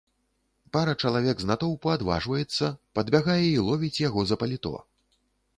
Пара чалавек з натоўпу адважваецца, падбягае і ловіць яго за паліто.